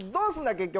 結局。